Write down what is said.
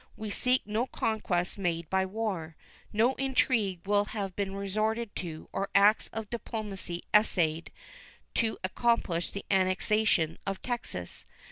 We seek no conquest made by war. No intrigue will have been resorted to or acts of diplomacy essayed to accomplish the annexation of Texas.